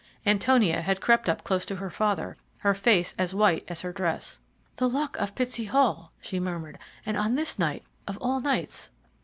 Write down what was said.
Antonia had crept up close to her father; her face was as white as her dress. "The Luck of Pitsey Hall," she murmured, "and on this night of all nights!"